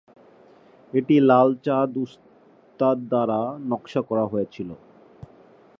এটি লাল চাঁদ উস্তাদ দ্বারা নকশা করা হয়েছিল।